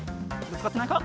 ぶつかってないか？